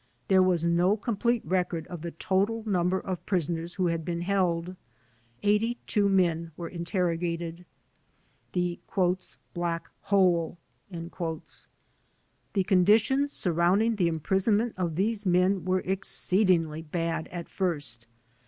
There was no complete record of the total number of prisoners who hatd been held. Eighty two men were interrogated. The "Black Hole" The conditions surrounding the imprisonment of these men were exceedingly bad at first.